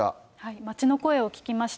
街の声を聞きました。